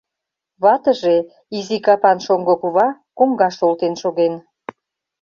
Ватыже, изи капан шоҥго кува, коҥгаш олтен шоген.